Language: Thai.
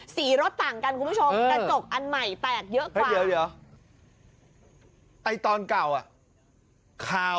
ที่ตังค์ยังนะ